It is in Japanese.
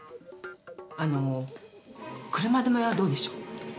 あの車止めはどうでしょう？